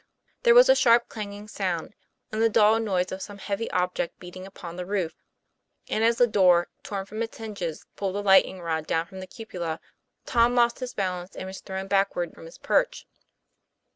There was a sharp, clanging sound, and the dull noise of TOM PLAY FAIR. 115 some heavy object beating upon the roof; and, as the door, torn from its hinges, pulled the lightning rod down from the cupola, Tom lost his balance, and was thrown backwards from his perch.